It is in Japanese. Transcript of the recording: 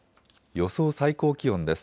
予想最高気温です。